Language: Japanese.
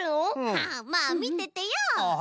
まあまあみててよ。